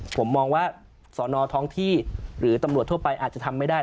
ผมมองว่าสอนอท้องที่หรือตำรวจทั่วไปอาจจะทำไม่ได้